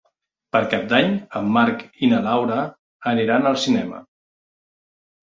Per Cap d'Any en Marc i na Laura aniran al cinema.